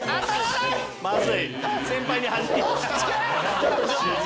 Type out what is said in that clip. まずい！